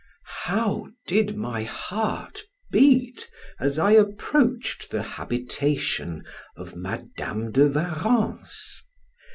How did my heart beat as I approached the habitation of Madam de Warrens!